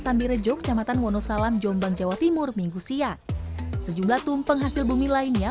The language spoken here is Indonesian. sambirejo kecamatan wonosalam jombang jawa timur minggu siang sejumlah tumpeng hasil bumi lainnya